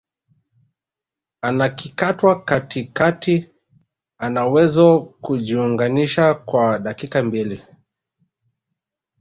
anakikatwa katikati anawezo kujiunganisha kwa dakika mbili